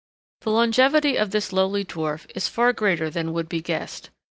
] The longevity of this lowly dwarf is far greater than would be guessed.